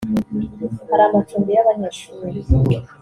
hari amacumbi y’abanyeshuri